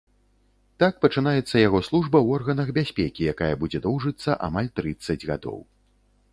Так пачынаецца яго служба ў органах бяспекі, якая будзе доўжыцца амаль трыццаць гадоў.